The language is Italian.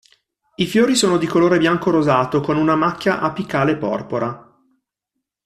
I fiori sono di colore bianco-rosato, con una macchia apicale porpora.